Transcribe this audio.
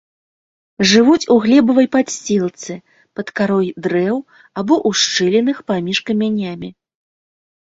Жывуць у глебавай падсцілцы, пад карой дрэў або ў шчылінах паміж камянямі.